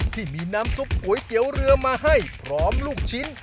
ที่มีน้ำซุปก๋วยเตี๋ยวเรือมาให้พร้อมลูกชิ้น